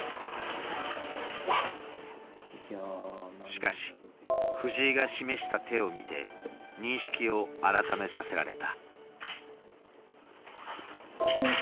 しかし藤井が示した手を見て認識を改めさせられた。